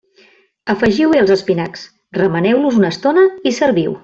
Afegiu-hi els espinacs, remeneu-los una estona i serviu.